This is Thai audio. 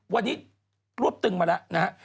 วันนี้รวบตึงมาแล้วนะฮะ